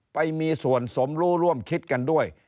ไปมีส่วนสมรู้ร่วมคิดกันด้วย